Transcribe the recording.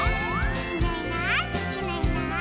「いないいないいないいない」